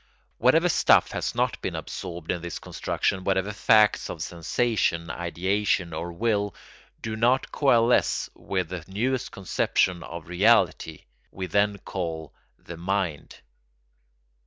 Whatever stuff has not been absorbed in this construction, whatever facts of sensation, ideation, or will, do not coalesce with the newest conception of reality, we then call the mind.